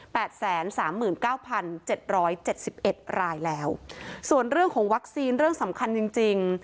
แสนสามหมื่นเก้าพันเจ็ดร้อยเจ็ดสิบเอ็ดรายแล้วส่วนเรื่องของวัคซีนเรื่องสำคัญจริงจริง